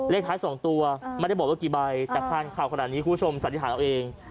เลขท้าย๒ตัวไม่ได้บอกว่ากี่ใบแต่คานเข่าขนาดนี้คุณผู้ชมสันนิษฐานเอาเอง